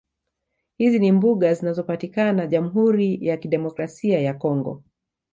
Hizi ni mbuga zinazopatikazna Jamhuri ya Kidemikrasia ya Congo